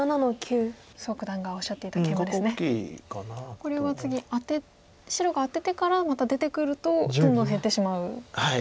これは次白がアテてからまた出てくるとどんどん減ってしまうとこなんですね。